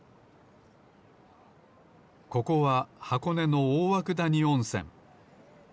ここははこねのおおわくだにおんせん。